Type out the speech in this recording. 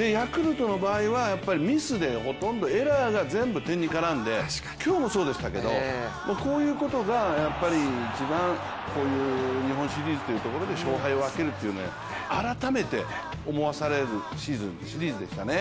ヤクルトの場合、ミスでほとんどエラーが点に絡んで今日もそうでしたけどこういうことが一番、日本シリーズというところで勝敗を分けるという、改めて思わされるシリーズでしたね。